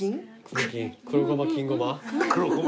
黒ごま金ごま？